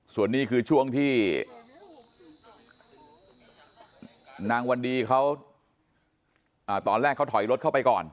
ส่วนนี้คือช่วงที่นางวันดีเขาตอนแรกเขาถอยรถเข้าไปก่อน